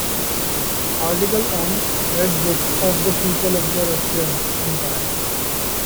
Article on "Red Book of the Peoples of the Russian Empire"